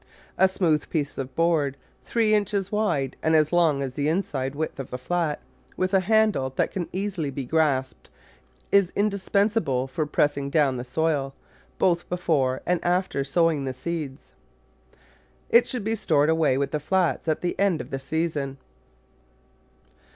A smooth piece of board, three inches wide and as long as the inside width of the flat, with a handle that can be easily grasped, is indispensable for pressing down the soil, both before and after sowing the seeds. 48 Digitized by Google ^tatting geeftg in jtotg 49 It should be stored away with the flats at the end of the season.